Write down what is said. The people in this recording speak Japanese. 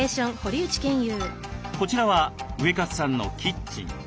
こちらはウエカツさんのキッチン。